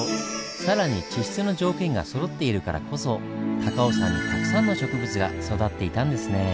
更に地質の条件がそろっているからこそ高尾山にたくさんの植物が育っていたんですねぇ。